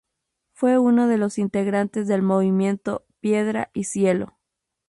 Fue uno de los integrantes del movimiento Piedra y Cielo.